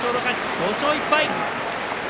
５勝１敗。